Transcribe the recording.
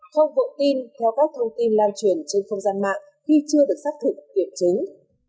không vội tin theo các thông tin lan truyền trên không gian mạng khi chưa được xác thực kiểm chứng